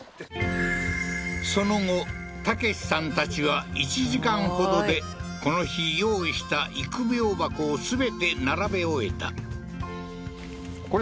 その後武さんたちは１時間ほどでこの日用意した育苗箱を全て並べ終えたこれ